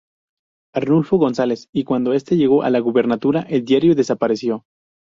Arnulfo González, y cuando este llegó a la gubernatura, el diario desapareció.